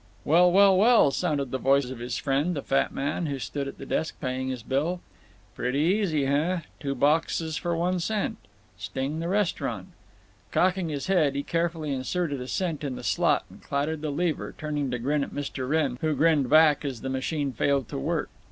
"Well, well, well, well!" sounded the voice of his friend, the fat man, who stood at the desk paying his bill. "Pretty easy, heh? Two boxes for one cent! Sting the restaurant." Cocking his head, he carefully inserted a cent in the slot and clattered the lever, turning to grin at Mr. Wrenn, who grinned back as the machine failed to work.